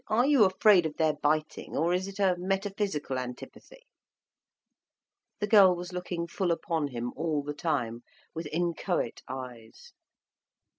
Are you afraid of their biting, or is it a metaphysical antipathy?" The girl was looking full upon him all the time with inchoate eyes.